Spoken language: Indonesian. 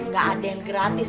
gak ada yang gratis